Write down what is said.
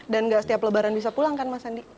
dan gak setiap lebaran bisa pulang kan mas andi